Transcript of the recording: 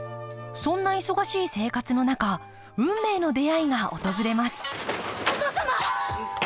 そんな忙しい生活の中運命の出会いが訪れますお父様！